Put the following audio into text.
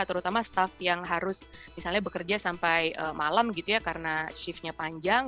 terutama staff yang harus misalnya bekerja sampai malam gitu ya karena shiftnya panjang